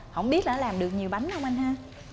không biết nó làm được nhiều bánh không anh ha